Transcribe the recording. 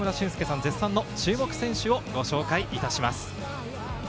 絶賛の注目選手をご紹介いたします。